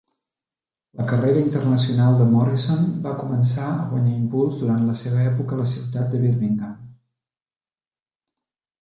La carrera internacional de Morrison va començar a guanyar impuls durant la seva època a la ciutat de Birmingham.